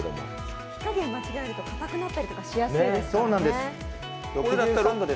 火加減間違えると硬くなったりしやすいですからね。